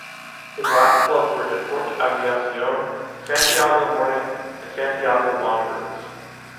His last clubs were Deportes Aviacion, Santiago Morning and Santiago Wanderers.